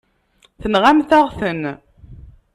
Tenɣamt-aɣ-ten.